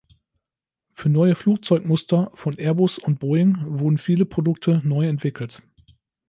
Für neue Flugzeugmuster von Airbus und Boeing wurden viele Produkte neu entwickelt.